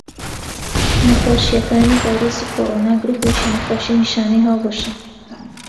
نەخۆشیەکانی ڤایرۆسی کۆڕۆنا گرووپێکی نەخۆشی نیشانەی هاوبەشن.